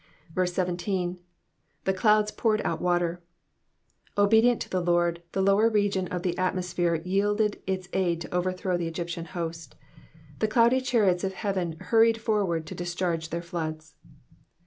17. *^ The clouds poured out water/^ Obedient to the Lord, the lower region of the atmosphere yielded its aid to overthrow the Egyptian host. The cloudy chariots of heaven hurried foiward to discharge their floods.